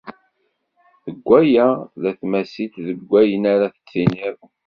Deg waya, tella tmasit deg wayen ara d-tiniḍ.